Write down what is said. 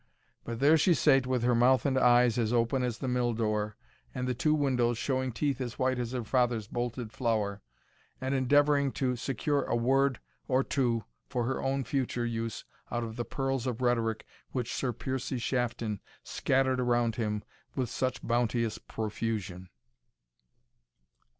But there she sate with her mouth and eyes as open as the mill door and the two windows, showing teeth as white as her father's bolted flour, and endeavouring to secure a word or two for her own future use out of the pearls of rhetoric which Sir Piercie Shafton scattered around him with such bounteous profusion.